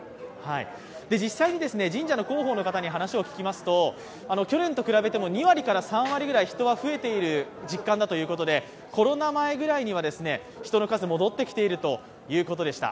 実際に神社の広報の方に話を聞きますと、去年と比べても２割から３割くらい人が増えてきている実感だということでコロナ前ぐらいには人の数、戻ってきているということでした。